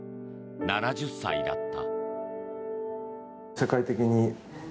７０歳だった。